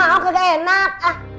nggak mau gak enak